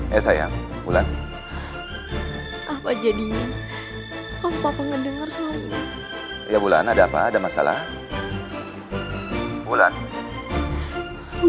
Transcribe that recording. ya sayang bulan apa jadinya apa ngedenger soalnya ya bulan ada apa ada masalah bulan